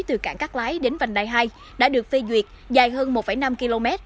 từ cảng cát lái đến vành đai hai đã được phê duyệt dài hơn một năm km